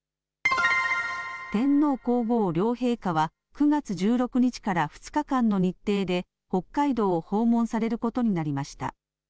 天皇皇后両陛下は９月１６日から２日間の日程で北海道を訪問されることになりました。